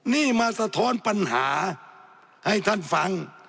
นี่มาสะท้อนปัญหาให้ท่านฟัง